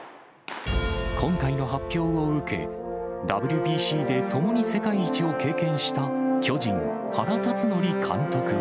今回の発表を受け、ＷＢＣで共に世界一を経験した巨人、原辰徳監督は。